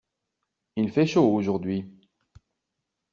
Il fait chaud aujourd’hui.